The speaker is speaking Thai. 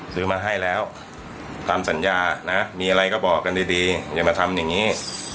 ซื้อมาให้แล้วตามสัญญานะมีอะไรก็บอกกันดีอย่ามาทำอย่างนี้